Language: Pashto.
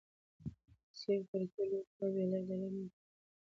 کڅۍ.خوړګۍ.لوی خوړ.بیله.للمه.بانډو.برکلی. ولو تنګی.کنډرو.ګازرک خوړ.